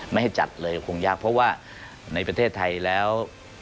ไม่ให้จัดเลยคงยากเพราะว่าในประเทศไทยแล้ว